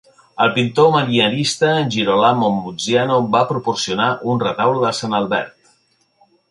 El pintor manierista Girolamo Muziano va proporcionar un retaule de "Sant Albert".